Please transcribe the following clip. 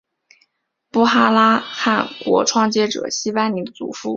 布哈拉汗国创建者昔班尼的祖父。